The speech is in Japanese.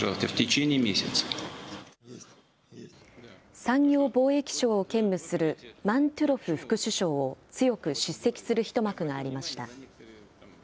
産業貿易相を兼務するマントゥロフ副首相を強く叱責する一幕がありました。